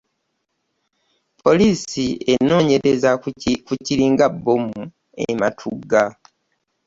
Poliisi enonyereza ku kiringa bbomu e Matuga.